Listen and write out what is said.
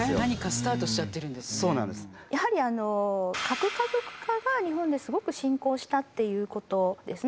やはり核家族化が日本ですごく進行したっていうことですね。